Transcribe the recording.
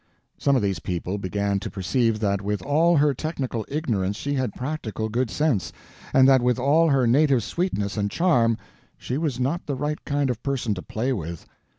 Some of these people began to perceive that with all her technical ignorance she had practical good sense, and that with all her native sweetness and charm she was not the right kind of a person to play with.